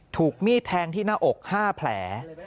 ถูกมีดแทงที่หน้าอก๕แผล